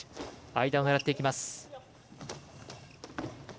間を狙っていきます。